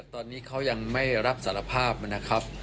ตอนนี้เขายังไม่รับสารภาพนะครับ